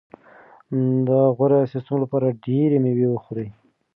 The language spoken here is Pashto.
د غوره سیستم لپاره ډېره مېوه وخورئ.